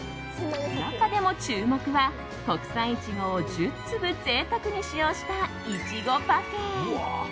中でも注目は国産イチゴを１０粒贅沢に使用した、いちごパフェ。